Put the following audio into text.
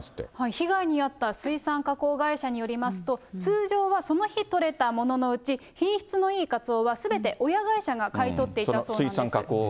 被害に遭った水産加工会社によりますと、通常はその日取れたもののうち、品質のいいカツオは、すべて親会社が買い取っていたそうなんです。